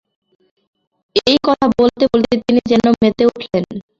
এই কথা বলতে বলতে তিনি যেন মেতে উঠলেন।